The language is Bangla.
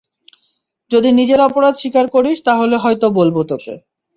যদি নিজের অপরাধ স্বীকার করিস তাহলে হয়তো বলব তোকে।